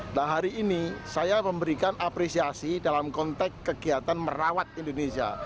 nah hari ini saya memberikan apresiasi dalam konteks kegiatan merawat indonesia